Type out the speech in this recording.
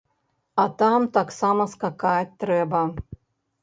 А там таксама скакаць трэба!